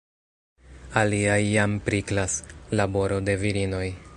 Aliaj jam priklas: laboro de virinoj.